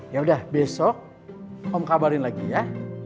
yaudah besok om kabarin lagi ya